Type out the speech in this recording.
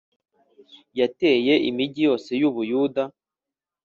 yateye imigi yose y u Buyuda